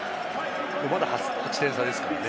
まだ８点差ですからね。